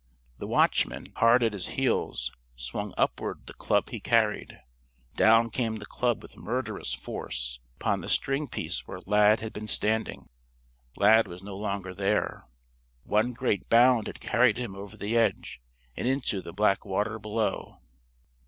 The watchman, hard at his heels, swung upward the club he carried. Down came the club with murderous force upon the stringpiece where Lad had been standing. Lad was no longer there. One great bound had carried him over the edge and into the black water below.